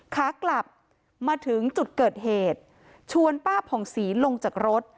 ขากลับมาถึงจุดเกิดเหตุชวนป้าผ่องศรีลงจากรถ